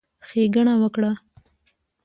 ښېګڼه وکړه،